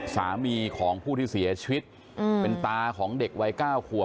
สามีของผู้ที่เสียชีวิตอืมเป็นตาของเด็กไวก้้าหัว